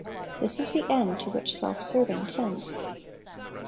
This is the end to which self serving tends.